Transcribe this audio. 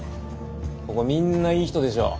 ここみんないい人でしょ？